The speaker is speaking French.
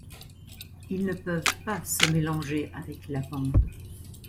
Ils ne peuvent pas se mélanger avec la bande.